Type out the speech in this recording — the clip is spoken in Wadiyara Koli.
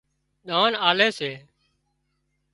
ۮانَ آلي سي